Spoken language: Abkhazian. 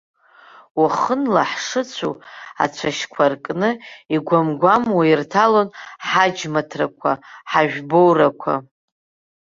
Уахынла, ҳшыцәоу, ацәашьқәа аркны, игәам-гәамуа ирҭалон ҳаџьмаҭрақәа, ҳажәбоурақәа.